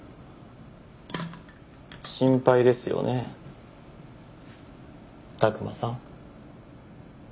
心配ですよね拓真さん？